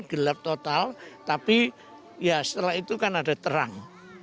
gelap total tapi ya setelah itu kan ada terang